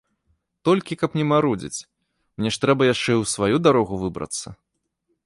Толькі, каб не марудзіць, мне ж трэба яшчэ і ў сваю дарогу выбрацца.